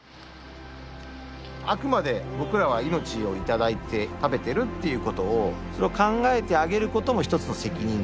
あくまで僕らは命を頂いて食べてるっていうことをそれを考えてあげることも一つの責任っていうか。